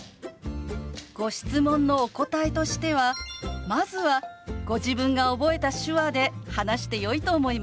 ご質問のお答えとしてはまずはご自分が覚えた手話で話してよいと思います。